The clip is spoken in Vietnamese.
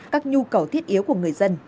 các nhu cầu thiết yếu của người dân